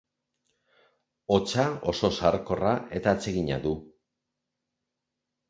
Hotsa oso sarkorra eta atsegina du.